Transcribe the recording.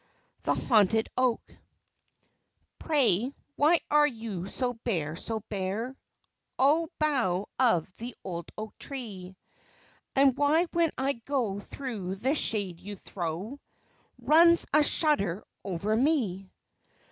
THE HAUNTED OAK Pray why are you so bare, so bare, Oh, bough of the old oak tree; And why, when I go through the shade you throw, Runs a shudder over me?